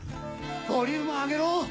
ボリューム上げろ！